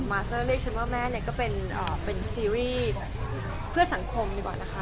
เรียกฉันว่าแม่เนี่ยก็เป็นซีรีส์เพื่อสังคมดีกว่านะคะ